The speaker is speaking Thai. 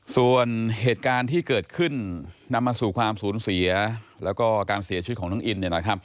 ส่วนเหตุการณ์ที่เกิดขึ้นนำมาสู่ความสูญเสียแล้วก็การเสียชีวิตของน้องอิน